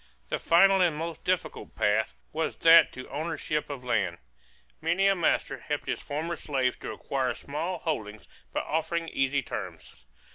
The final and most difficult path was that to ownership of land. Many a master helped his former slaves to acquire small holdings by offering easy terms.